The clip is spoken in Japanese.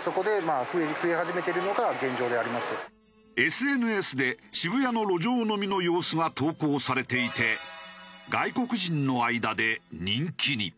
ＳＮＳで渋谷の路上飲みの様子が投稿されていて外国人の間で人気に。